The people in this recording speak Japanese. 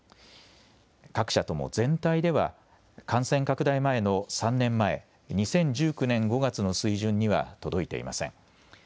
各社とも全体では感染拡大前の３年前、２０１９年５月の水準には届いていません。